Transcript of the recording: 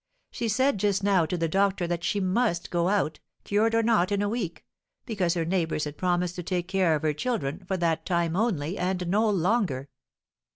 She said just now to the doctor that she must go out, cured or not, in a week, because her neighbours had promised to take care of her children for that time only and no longer."